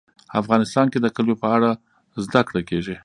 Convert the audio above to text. افغانستان کې د کلیو په اړه زده کړه کېږي.